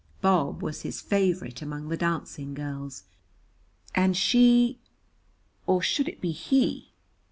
Bob was his favorite among the dancing girls, and she or should it be he?